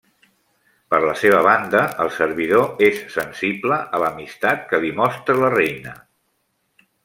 Per la seva banda, el servidor és sensible a l'amistat que li mostra la reina.